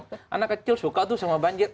anak kecil suka tuh sama banjir